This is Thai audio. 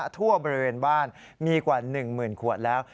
ทั่วบริเวณบ้านมีกว่าหนึ่งหมื่นขวดแล้ว